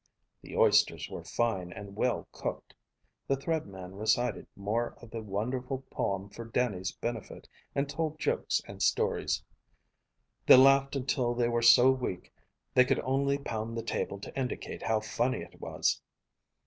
The oysters were fine, and well cooked. The Thread Man recited more of the wonderful poem for Dannie's benefit, and told jokes and stories. They laughed until they were so weak they could only pound the table to indicate how funny it was.